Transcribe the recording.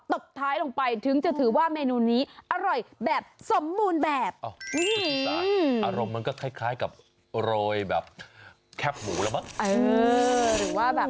ตบท้ายลงไปถึงจะถือว่าเมนูนี้อร่อยแบบสมบูรณ์แบบอารมณ์มันก็คล้ายกับโรยแบบแคบหมูแล้วมั้ง